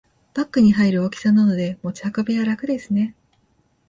バッグに入る大きさなので持ち運びは楽ですね